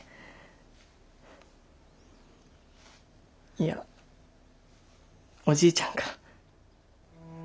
いやおじいちゃんか。